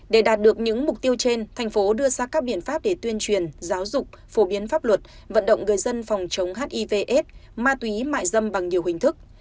để đạt được những mục tiêu trên thành phố đưa ra các biện pháp để tuyên truyền giáo dục phổ biến pháp luật vận động người dân phòng chống hivs ma túy mại dâm bằng nhiều hình thức